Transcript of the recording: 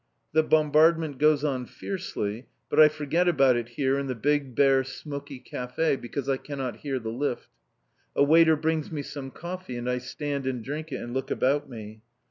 The bombardment goes on fiercely, but I forget about it here in the big, bare, smoky café, because I cannot hear the lift. A waiter brings me some coffee and I stand and drink it and look about me.